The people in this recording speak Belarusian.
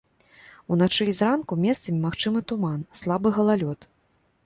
Уначы і зранку месцамі магчымы туман, слабы галалёд.